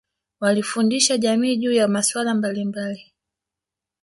walifundisha jamii juu ya masuala mbalimbali